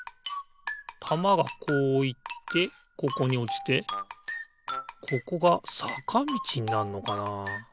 たまがこういってここにおちてここがさかみちになんのかな？